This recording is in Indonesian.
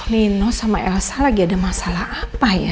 nino sama elsa lagi ada masalah apa ya